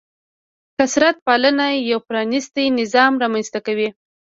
کثرت پالنه یو پرانیستی نظام رامنځته کوي.